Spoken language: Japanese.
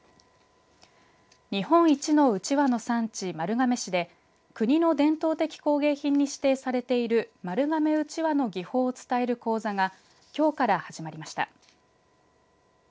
日本一のうちわの産地、丸亀市で国の伝統的工芸品に指定されている丸亀うちわの技法を伝える講座がきょうから始まりました。